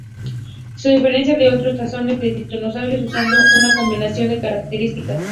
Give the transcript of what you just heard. Se diferencia de otros taxones de titanosaurios usando una combinación de características.